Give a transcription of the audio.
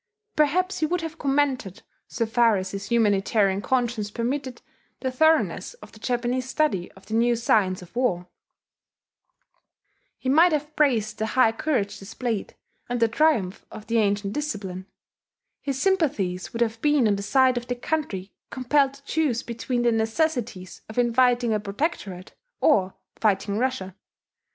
Perhaps he would have commended, so far as his humanitarian conscience permitted, the thoroughness of the Japanese study of the new science of war: he might have praised the high courage displayed, and the triumph of the ancient discipline; his sympathies would have been on the side of the country compelled to choose between the necessities of inviting a protectorate or fighting Russia.